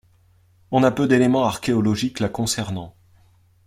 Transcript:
On a peu d'éléments archéologiques la concernant.